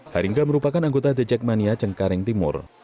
haringga merupakan anggota dijekmania cengkaring timur